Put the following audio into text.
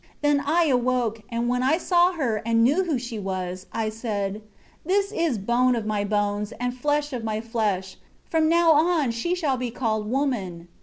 Then I awoke; and when I saw her and knew who she was, I said, 'This is bone of my bones, and flesh of my flesh; from now on she shall be called woman.'